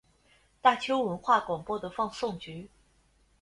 大邱文化广播的放送局。